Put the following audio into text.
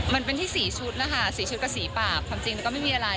มันเป็นที่๔ชุดนะคะ๔ชุดกับสีปากความจริงแล้วก็ไม่มีอะไร